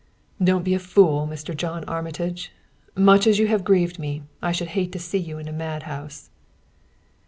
"Don't be a fool, Mr. John Armitage. Much as you have grieved me, I should hate to see you in a madhouse."